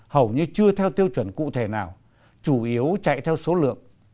hầu như chưa theo tiêu chuẩn cụ thể nào chủ yếu chạy theo số lượng